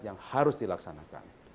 yang harus dilaksanakan